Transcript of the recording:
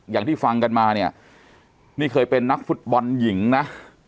อย่างที่ฟังกันมาเนี่ยนี่เคยเป็นนักฟุตบอลหญิงนะ